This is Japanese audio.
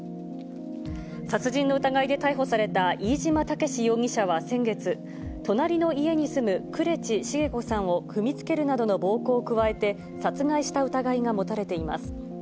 殺人の疑いで逮捕された飯島岳容疑者は先月、隣の家に住む呉地繁子さんを踏みつけるなどの暴行を加えて、殺害した疑いが持たれています。